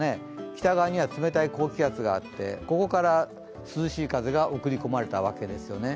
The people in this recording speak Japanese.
北側には冷たい高気圧があってここから涼しい風が送り込まれたわけですよね。